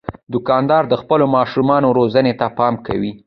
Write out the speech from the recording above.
دوکاندار د خپلو ماشومانو روزنې ته پام کوي.